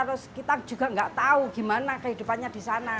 terus kita juga nggak tahu gimana kehidupannya di sana